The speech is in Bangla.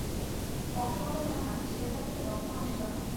বংশগত ধারণা, ছেলেবেলা থেকে রক্ত মাংসে জড়ানো।